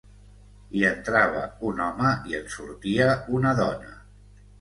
Hi entrava un home i en sortia una dona.